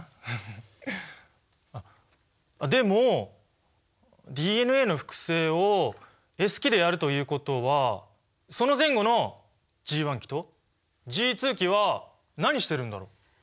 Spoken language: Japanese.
あっでもＤＮＡの複製をＳ期でやるということはその前後のＧ期とＧ期は何してるんだろう？